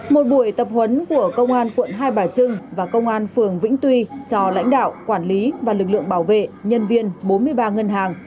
một buổi tập huấn của công an quận hai bà trưng và công an phường vĩnh tuy cho lãnh đạo quản lý và lực lượng bảo vệ nhân viên bốn mươi ba ngân hàng